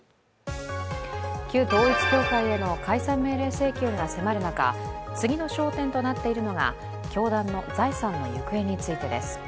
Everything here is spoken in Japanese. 旧統一教会への解散命令請求が迫る中、次の焦点となっているのが、教団の財産の行方についてです。